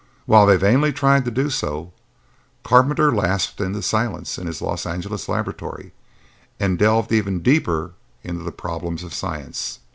While they vainly tried to do so, Carpenter lapsed into silence in his Los Angeles laboratory and delved ever deeper into the problems of science.